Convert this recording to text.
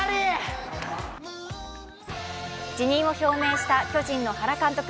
辞任を表明した巨人の原監督。